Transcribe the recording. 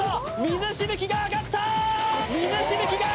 水しぶきが上がった！